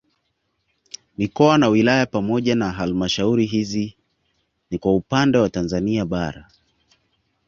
Mikoa na wilaya pamoja na halmashauri hizi ni kwa upande wa Tanzania bara